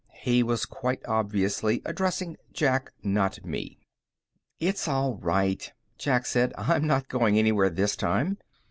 He was quite obviously addressing Jack, not me. "It's all right," Jack said. "I'm not going anywhere this time."